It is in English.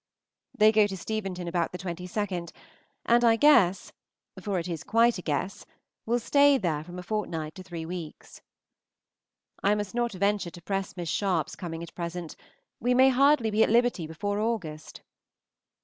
They go to Steventon about the 22d, and I guess for it is quite a guess will stay there from a fortnight to three weeks. I must not venture to press Miss Sharpe's coming at present; we may hardly be at liberty before August.